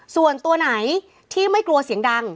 ส่วนตัวไหนที่ไม่กลัวเสียงดัง